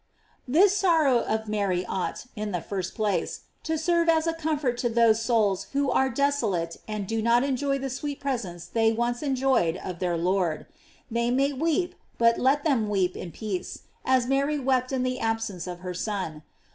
"* This sorrow of Mary ought, in the first place, to serve as a comfort to those souls who are des olate and do not enjoy the sweet presence they once enjoyed of their Lord. They may weep, but let them weep in peace, as Mary wept in the absence of her Son.